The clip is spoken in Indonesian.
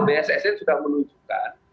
bssn sudah menunjukkan